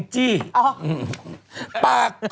จากใคร